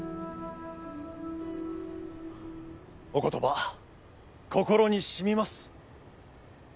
お言葉心に染みます。